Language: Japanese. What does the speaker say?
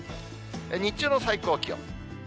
日中の最高気温。